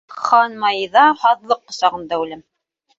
Хан-маиҙа — һаҙлыҡ ҡосағында үләм!